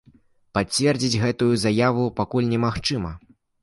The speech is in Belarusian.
Пацвердзіць гэтую заяву пакуль немагчыма.